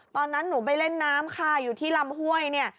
ตอนนั้นหนูไปเล่นน้ำค่ะอยู่ที่ลำห้วยเนี่ย